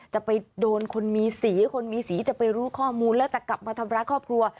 จะไปโดนคนมีสีคนมีสีจะไปรู้ข้อมูลแล้วจะกลับมาทำร้ายครอบครัว